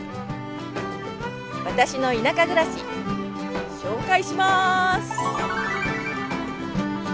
私の田舎暮らし紹介します！